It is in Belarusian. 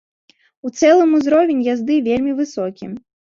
У цэлым узровень язды вельмі высокі.